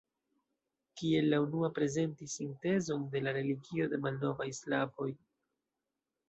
Kiel la unua prezentis sintezon de la religio de malnovaj slavoj.